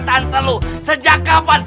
tante lu sejak kapan